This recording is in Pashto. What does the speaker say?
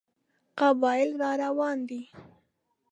قبایل را روان دي.